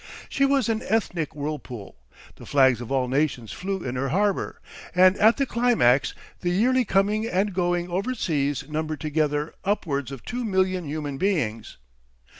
She was an ethnic whirlpool. The flags of all nations flew in her harbour, and at the climax, the yearly coming and going overseas numbered together upwards of two million human beings.